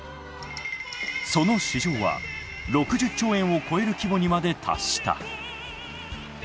その市場は６０兆円を超える規模にまで達した。